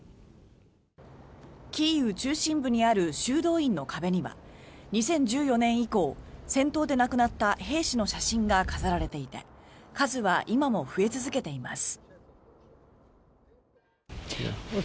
キーウ中心部にある修道院の壁には２０１４年以降戦闘で亡くなった兵士の写真が飾られていて数は今も増え続けています。